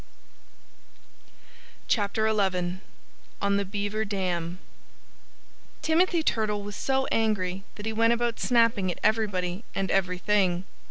XI ON THE BEAVER DAM Timothy Turtle was so angry that he went about snapping at everybody and everything.